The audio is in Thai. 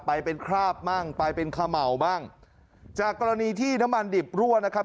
ไปเป็นคราบบ้างไปเป็นเขม่าบ้างจากกรณีที่น้ำมันดิบรั่วนะครับ